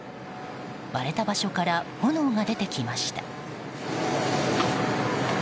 割れた場所から炎が出てきました。